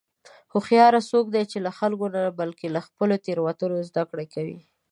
هوښیار څوک دی چې له خلکو نه، بلکې له خپلو تېروتنو زدهکړه کوي.